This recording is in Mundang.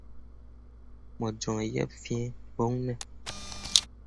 Mo joŋ yeb fee ɓone ?